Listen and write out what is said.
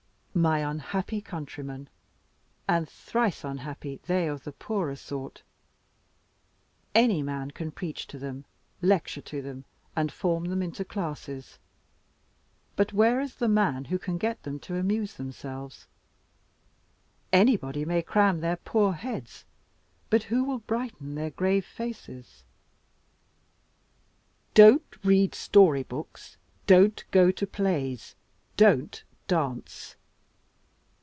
My unhappy countrymen! (and thrice unhappy they of the poorer sort) any man can preach to them, lecture to them, and form them into classes but where is the man who can get them to amuse themselves? Anybody may cram their poor heads; but who will brighten their grave faces? Don't read story books, don't go to plays, don't dance!